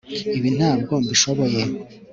Ibi ntabwo mbishoboye